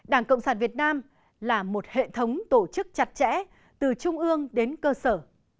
đảng cộng sản việt nam là một hệ thống tổ chức chặt chẽ từ trung ương đến cơ sở